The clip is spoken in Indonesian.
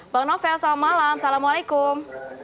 bang novel selamat malam assalamualaikum